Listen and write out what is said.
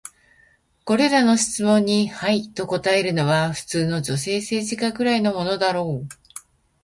これらの質問に「はい」と答えるのは、普通の女性政治家くらいのものだろう。